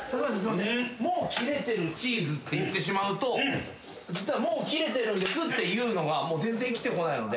「もう切れてるチーズ」って言ってしまうと「実はもう切れてるんです」っていうのが全然生きてこないので。